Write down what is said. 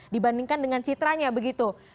dibandingkan dengan citranya begitu